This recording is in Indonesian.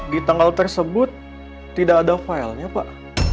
di tanggal tersebut tidak ada file nya pak